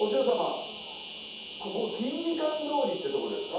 ここ金美館通りってとこですか？